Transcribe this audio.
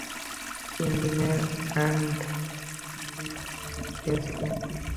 তিনদিনের আর্নড লীত নিয়ে গিয়েছিলেন।